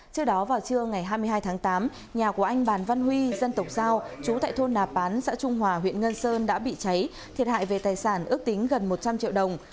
trước đó vào trưa ngày hai mươi hai tháng tám nhà của anh bàn văn huy dân tộc giao chú tại thôn nà pán xã trung hòa huyện ngân sơn đã bị cháy thiệt hại về tài sản ước tính gần một trăm linh triệu đồng